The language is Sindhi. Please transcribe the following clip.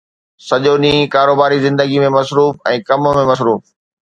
سڄو ڏينهن ڪاروباري زندگيءَ ۾ مصروف ۽ ڪم ۾ مصروف